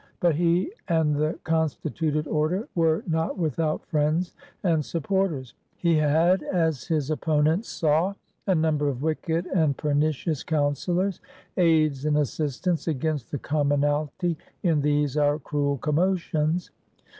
But he and the constituted order were not without friends and supporters. He had, as his opponents saw, a number of *^ wicked and per nicious counsellors, aides and assistants against the commonalty in these our cruel commotions."